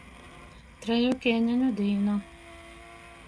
Treju Kieneņu dīna.